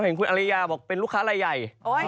เห็นคุณอริยาบอกเป็นลูกค้ารายใหญ่